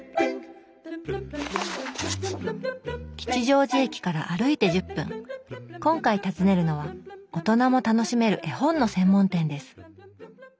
吉祥寺駅から歩いて１０分今回訪ねるのはオトナも楽しめる絵本の専門店です